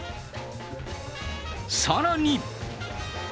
さらに。